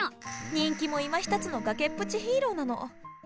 人気もいまひとつの崖っぷちヒーローなの。